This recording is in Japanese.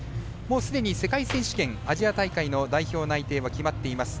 すでに世界選手権、アジア大会の代表内定は決まっています。